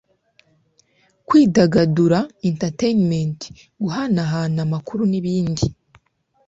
kwidagadura Entertainment guhanahana amakuru n ibindi